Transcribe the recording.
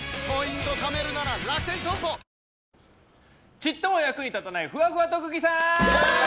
ちっとも役に立たないふわふわ特技さん！